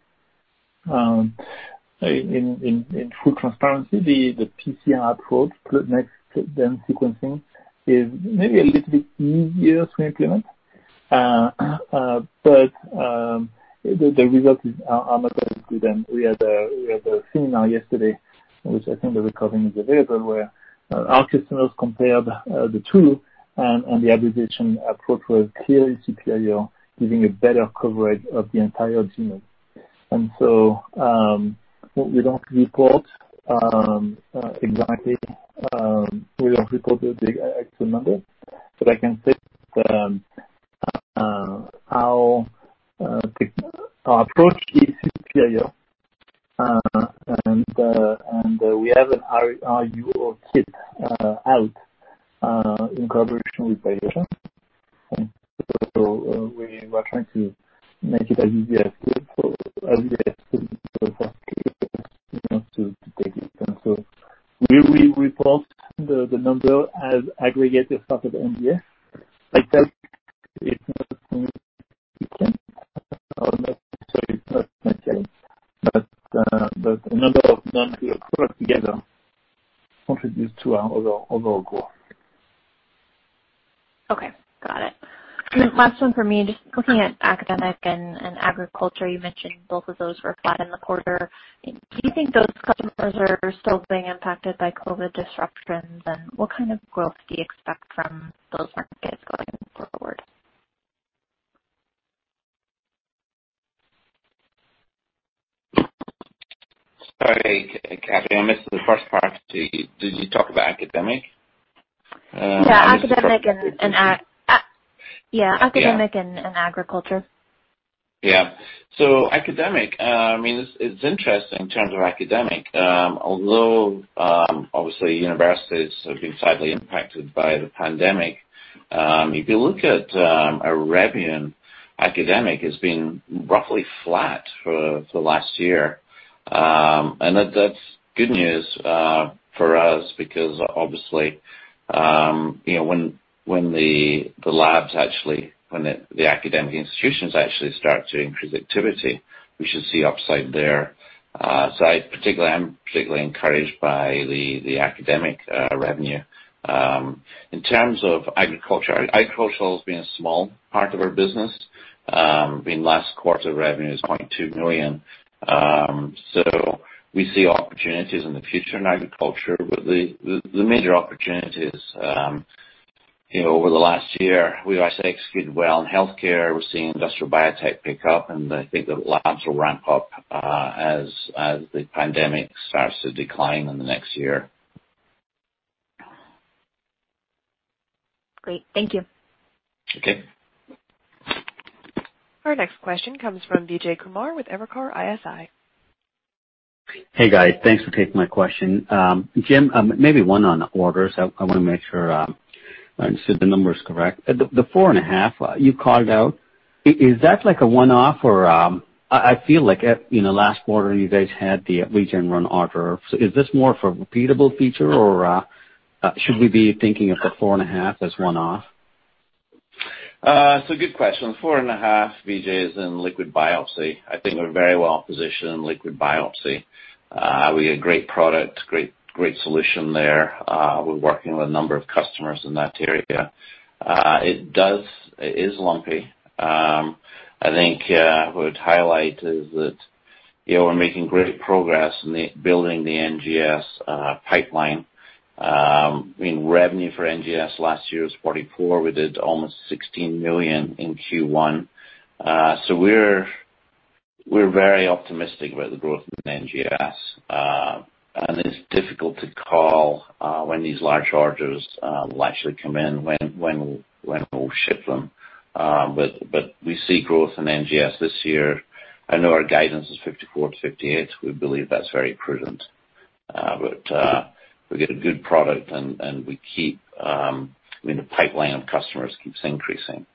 In full transparency, the PCR approach next, then sequencing is maybe a little bit easier to implement. The results are not as good as we had a seminar yesterday, which I think the recording is available, where our customers compared the two, and the hybridization approach was clearly superior, giving a better coverage of the entire genome. We don't report the exact number, but I can say our approach is superior. We have an RUO kit out in collaboration with Biotia. We are trying to make it as easy as we can for customers to take it. We will report the number as aggregated part of NGS. Like that, it's not something we can, it's not necessary, but the number of them we put together contributes to our overall goal. Okay. Got it. Last one from me, just looking at academic and agriculture, you mentioned both of those were flat in the quarter. Do you think those customers are still being impacted by COVID disruptions? What kind of growth do you expect from those markets going forward? Sorry, Cathy, I missed the first part. Did you talk about academic? Yeah, academic and agriculture. Yeah. Academic, it's interesting in terms of academic. Although, obviously, universities have been slightly impacted by the pandemic. If you look at our revenue, academic has been roughly flat for the last year. That's good news for us because, obviously when the labs actually, when the academic institutions actually start to increase activity, we should see upside there. I'm particularly encouraged by the academic revenue. In terms of agriculture, agricultural has been a small part of our business. I mean, last quarter revenue is $0.2 million. We see opportunities in the future in agriculture. The major opportunities, over the last year, we've executed well in healthcare. We're seeing industrial biotech pick up, and I think that labs will ramp up as the pandemic starts to decline in the next year. Great. Thank you. Okay. Our next question comes from Vijay Kumar with Evercore ISI. Hey, guys. Thanks for taking my question. Jim, maybe one on orders. I want to make sure I understood the numbers correct. The $4.5 million you called out, is that like a one-off or I feel like, last quarter, you guys had the Regeneron order. Is this more of a repeatable feature, or should we be thinking of the $4.5 million as one-off? It's a good question. $4.5 million, Vijay, is in liquid biopsy. I think we're very well positioned in liquid biopsy. We get great product, great solution there. We're working with a number of customers in that area. It is lumpy. I think I would highlight is that we're making great progress in building the NGS pipeline. I mean, revenue for NGS last year was $44 million. We did almost $16 million in Q1. We're very optimistic about the growth in NGS. It's difficult to call when these large orders will actually come in, when we'll ship them. We see growth in NGS this year. I know our guidance is $54 million-$58 million. We believe that's very prudent. We get a good product, and the pipeline of customers keeps increasing.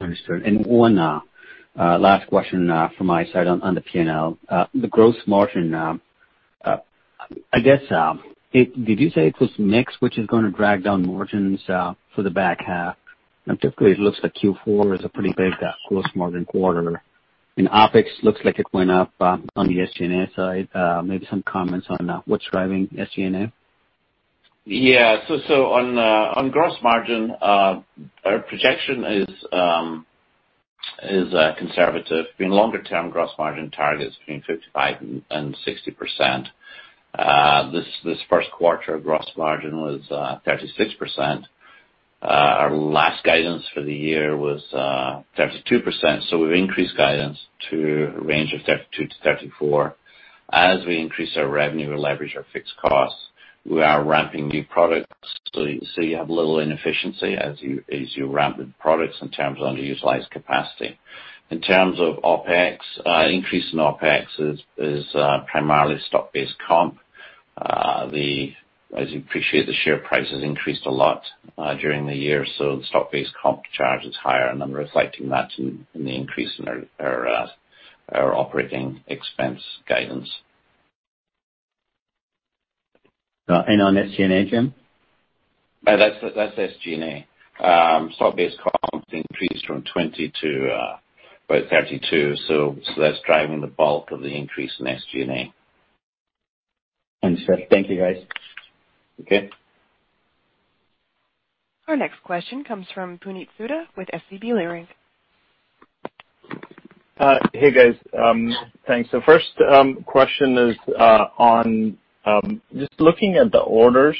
Understood. One last question from my side on the P&L. The gross margin, I guess, did you say it was mix which is going to drag down margins for the back half? Typically, it looks like Q4 is a pretty big gross margin quarter. OpEx looks like it went up on the SG&A side. Maybe some comments on what's driving SG&A. On gross margin, our projection is conservative, being longer-term gross margin targets between 55% and 60%. This first quarter gross margin was 36%. Our last guidance for the year was 32%. We've increased guidance to a range of 32%-34%. As we increase our revenue, we leverage our fixed costs. We are ramping new products, you have a little inefficiency as you ramp the products in terms of underutilized capacity. In terms of OpEx, increase in OpEx is primarily stock-based comp. As you appreciate, the share price has increased a lot during the year, the stock-based comp charge is higher. I'm reflecting that in the increase in our operating expense guidance. On SG&A, Jim? That's SG&A. Stock-based comp increased from 20% to 32%, so that's driving the bulk of the increase in SG&A. Understood. Thank you, guys. Okay. Our next question comes from Puneet Souda with SVB Leerink. Hey, guys. Thanks. First question is on just looking at the orders.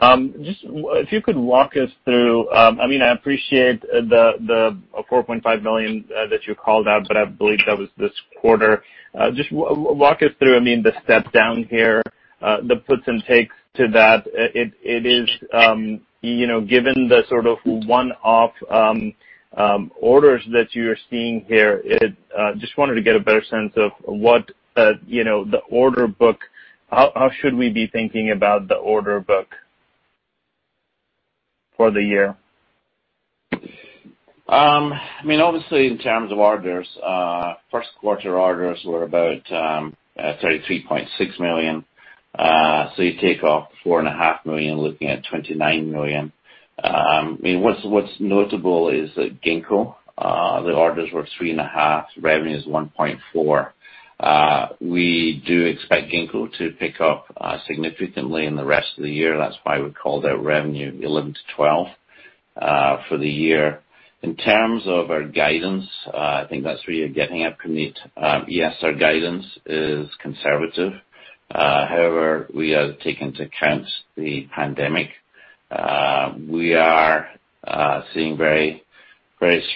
If you could walk us through, I appreciate the $4.5 million that you called out, but I believe that was this quarter. Just walk us through the step-down here, the puts and takes to that. Given the sort of one-off orders that you're seeing here, just wanted to get a better sense of the order book. How should we be thinking about the order book for the year? Obviously, in terms of orders, first quarter orders were about $33.6 million. You take off $4.5 million, looking at $29 million. What's notable is that Ginkgo, the orders were $3.5 million. Revenue is $1.4 million. We do expect Ginkgo to pick up significantly in the rest of the year. That's why we called out revenue $11 million-$12 million for the year. In terms of our guidance, I think that's where you're getting at, Puneet. Yes, our guidance is conservative. However, we have taken into account the pandemic. We are seeing very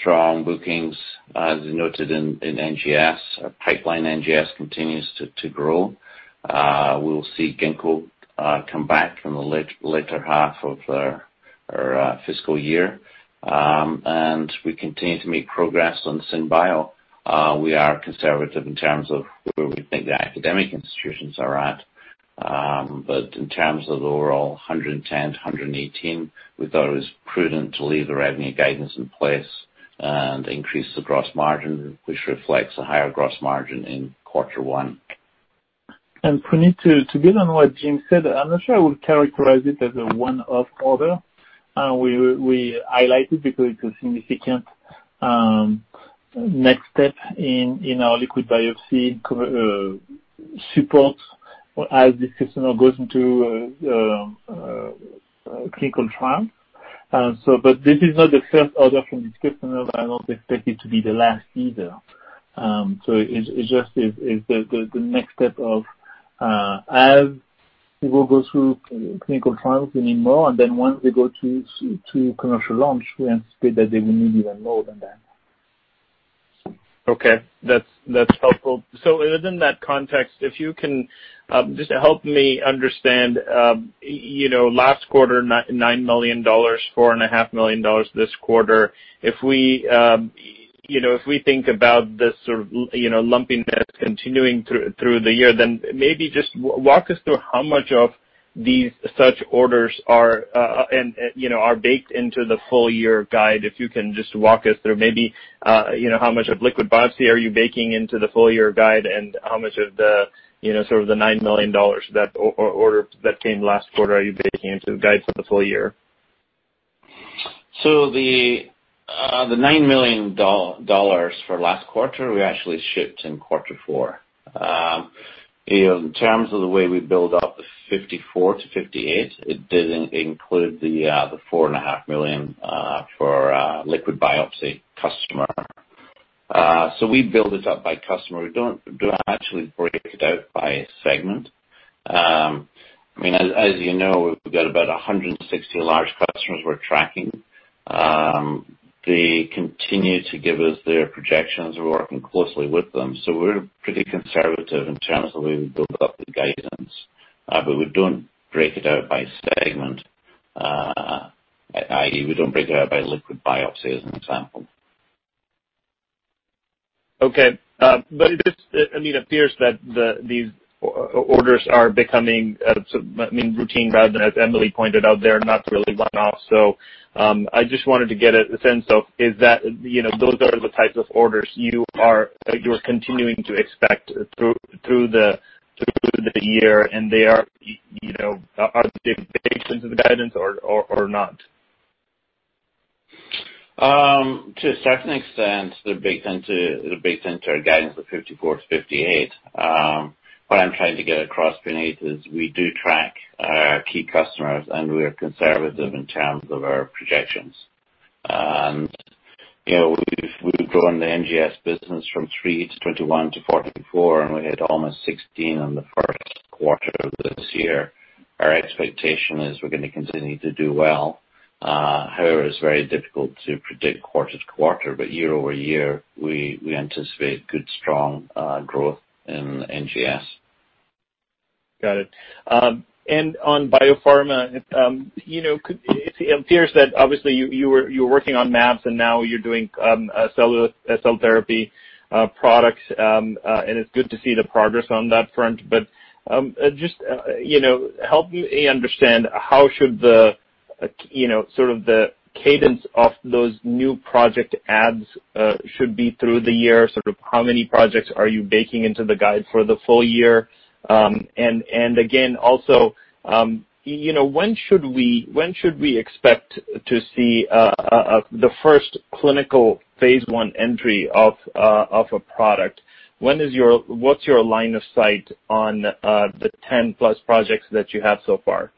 strong bookings. As you noted in NGS, our pipeline NGS continues to grow. We'll see Ginkgo come back in the later half of our fiscal year. We continue to make progress on SynBio. We are conservative in terms of where we think the academic institutions are at. In terms of the overall $110 million-$118 million, we thought it was prudent to leave the revenue guidance in place and increase the gross margin, which reflects a higher gross margin in quarter one. Puneet, to build on what Jim said, I'm not sure I would characterize it as a one-off order. We highlight it because it's a significant next step in our liquid biopsy support as this customer goes into clinical trials. This is not the first order from this customer, and I don't expect it to be the last either. It just is the next step of as we will go through clinical trials, we need more, and then once we go to commercial launch, we anticipate that they will need even more than that. Okay. That's helpful. Within that context, if you can just help me understand. Last quarter, $9 million, $4.5 million this quarter. If we think about this sort of lumpiness continuing through the year, maybe just walk us through how much of these such orders are baked into the full-year guide. If you can just walk us through maybe how much of liquid biopsy are you baking into the full-year guide and how much of the $9 million order that came last quarter are you baking into the guide for the full year? The $9 million for last quarter, we actually shipped in quarter four. In terms of the way we build up the $54 million-$58 million, it didn't include the $4.5 million for liquid biopsy customer. We build it up by customer. We don't actually break it out by segment. As you know, we've got about 160 large customers we're tracking. They continue to give us their projections. We're working closely with them. We're pretty conservative in terms of the way we build up the guidance. We don't break it out by segment, i.e., we don't break it out by liquid biopsy, as an example. Okay. It appears that these orders are becoming routine rather than, as Emily pointed out, they're not really one-off. I just wanted to get a sense of those are the types of orders you're continuing to expect through the year, and are they baked into the guidance or not? To a certain extent, the base case guidance of $54 million-$58 million. What I'm trying to get across, Puneet, is we do track our key customers, and we are conservative in terms of our projections. We've grown the NGS business from $3 million to $21 million to $44 million, and we had almost $16 million in the first quarter of this year. Our expectation is we're going to continue to do well. However, it's very difficult to predict quarter-to-quarter, but year-over-year, we anticipate good, strong growth in NGS. Got it. On biopharma, it appears that obviously you were working on mAbs and now you're doing cell therapy products. It's good to see the progress on that front. Just help me understand how should the sort of the cadence of those new project adds should be through the year, sort of how many projects are you baking into the guide for the full year? Again, also, when should we expect to see the first clinical phase I entry of a product? What's your line of sight on the 10+ projects that you have so far?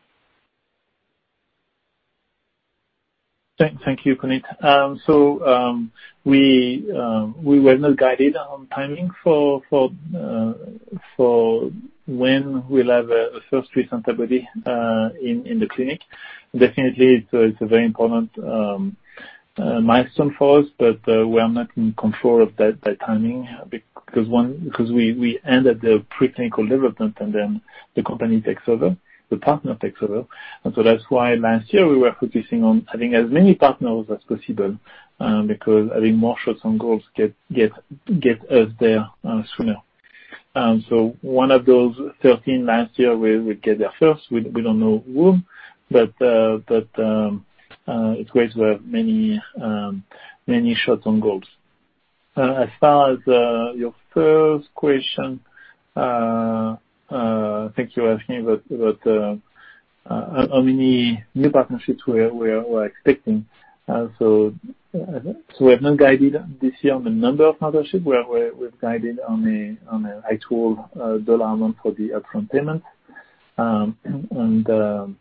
Thank you, Puneet. We were not guided on timing for when we will have a first recent study in the clinic. Definitely, it is a very important milestone for us, but we are not in control of that timing because we end at the pre-clinical development and then the company takes over, the partner takes over. That is why last year we were focusing on having as many partners as possible, because having more shots on goals get us there sooner. So one of those 13 last year will get there first. We do not know who. But it is great to have many shots on goals. As far as your first question, I think you were asking about how many new partnerships we are expecting. We have not guided this year on the number of partnerships, we have guided on a high [total] dollar amount for the upfront payment. I'm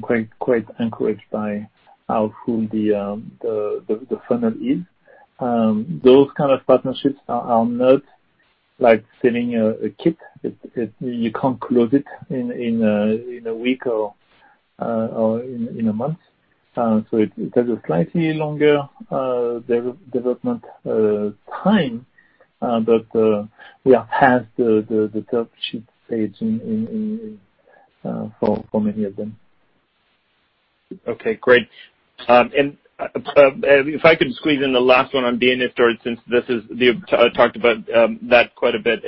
quite encouraged by how soon the funnel is. Those kind of partnerships are not like selling a kit. You can't close it in a week or in a month. It has a slightly longer development time. We are past the term sheet stage for many of them. Okay, great. If I could squeeze in the last one on Data Storage, since you've talked about that quite a bit.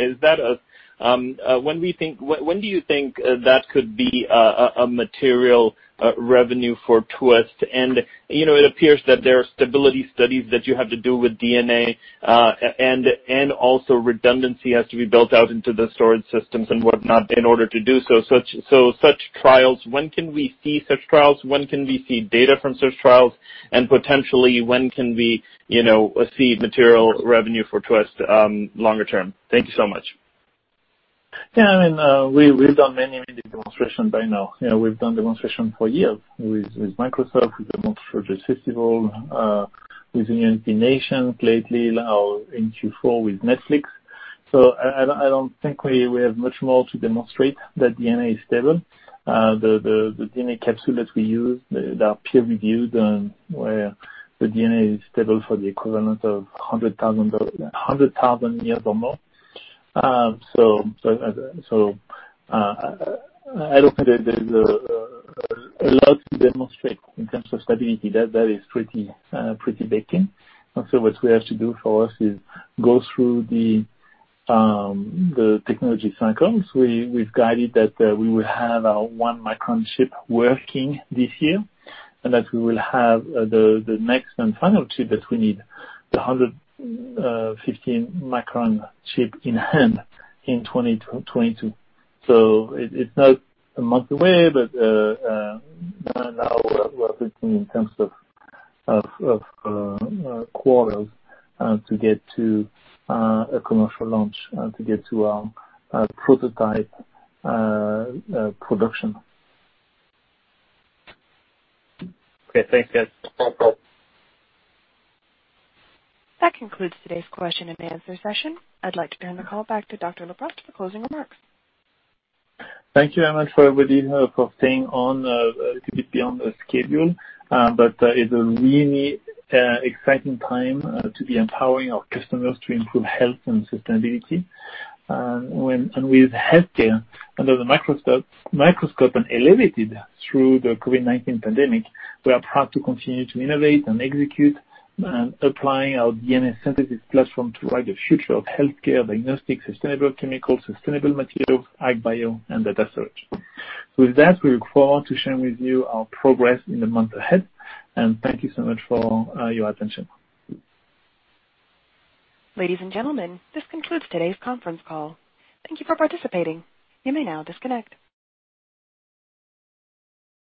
When do you think that could be a material revenue for Twist? It appears that there are stability studies that you have to do with DNA, and also redundancy has to be built out into the storage systems and whatnot in order to do so. When can we see such trials, when can we see data from such trials? Potentially when can we see material revenue for Twist longer term? Thank you so much. Yeah. We've done many demonstrations by now. We've done demonstrations for years with Microsoft. We've demonstrated Festival, with United Nations lately, now in Q4 with Netflix. I don't think we have much more to demonstrate that DNA is stable. The DNA capsule that we use, they are peer-reviewed, and where the DNA is stable for the equivalent of 100,000 years or more. I don't think there's a lot to demonstrate in terms of stability. That is pretty baked in. What we have to do for us is go through the technology cycles. We've guided that we will have our 1-micron chip working this year, and that we will have the next and final chip that we need, the 115-micron chip in hand in 2022. It's not one month away, but now we're thinking in terms of quarters to get to a commercial launch and to get to prototype production. Okay, thanks guys. That concludes today's question-and-answer session. I'd like to turn the call back to Dr. Leproust for closing remarks. Thank you very much for everybody for staying on a little bit beyond the schedule. It's a really exciting time to be empowering our customers to improve health and sustainability. With healthcare under the microscope and elevated through the COVID-19 pandemic, we are proud to continue to innovate and execute and applying our DNA synthesis platform to write the future of healthcare, diagnostics, sustainable chemicals, sustainable materials, ag bio and Data Storage. With that, we look forward to sharing with you our progress in the month ahead. Thank you so much for your attention. Ladies and gentlemen, this concludes today's conference call. Thank you for participating. You may now disconnect.